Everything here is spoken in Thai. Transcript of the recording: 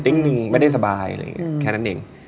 ติ๊งหนึ่งไม่ได้สบายแค่นั้นเอง